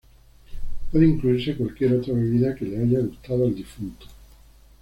Puede incluirse cualquier otra bebida que le haya gustado al difunto.